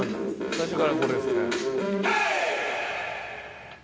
「最初からこれですね」